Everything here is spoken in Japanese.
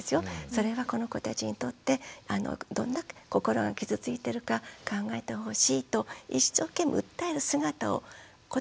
それはこの子たちにとってどんだけ心が傷ついてるか考えてほしいと一生懸命訴える姿を子どもは見てます。